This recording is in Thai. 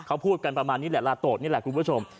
เขาพูดกันประมาณนี้แหละลาโตนี่แหละคุณผู้ชม